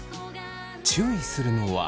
注意するのは。